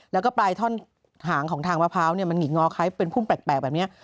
แล้วก็ปลายท่อนหางของทางมะพร้าวมันหิกงอคล้ายเป็นพุ่มแปลกแบบนี้